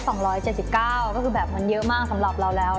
ก็คือแบบมันเยอะมากสำหรับเราแล้ว